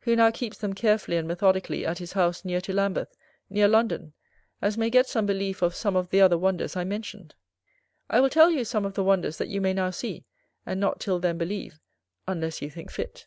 who now keeps them carefully and methodically at his house near to Lambeth, near London, as may get some belief of some of the other wonders I mentioned. I will tell you some of the wonders that you may now see, and not till then believe, unless you think fit.